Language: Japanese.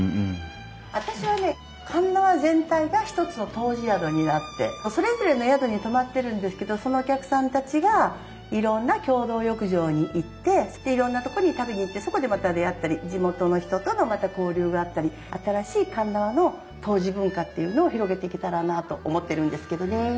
私はね鉄輪全体が一つの湯治宿になってそれぞれの宿に泊まってるんですけどそのお客さんたちがいろんな共同浴場に行ってでいろんなとこに食べに行ってそこでまた出会ったり地元の人との交流があったり新しい鉄輪の湯治文化っていうのを広げていけたらなあと思ってるんですけどねえ。